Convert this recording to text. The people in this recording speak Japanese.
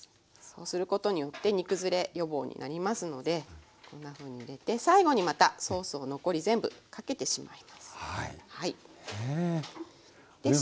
そうすることによって煮崩れ予防になりますのでこんなふうに入れて最後にまたソースを残り全部かけてしまいます。